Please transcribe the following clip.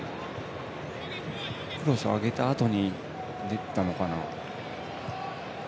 クロスを上げたあとにひねったのかな。